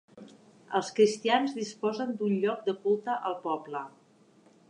Els cristians disposen d'un lloc de culte al poble.